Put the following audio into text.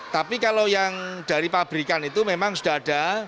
tapi kalau yang dari pabrikan itu memang sudah ada